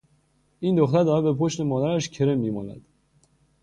این دختر دارد به پشت مادرش کرم میمالد.